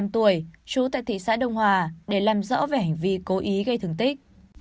một mươi năm tuổi trú tại thị xã đông hòa để làm rõ về hành vi cố ý gây thương tích